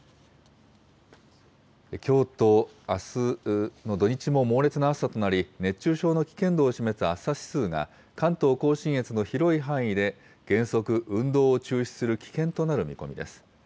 きょうとあすの土日も猛烈な暑さとなり、熱中症の危険度を示す暑さ指数が、関東甲信越の広い範囲で原則運動を中止する危険となる見込みです。